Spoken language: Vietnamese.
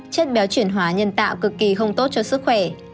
chất béo chuyển hóa nhân tạo cực kỳ không tốt cho sức khỏe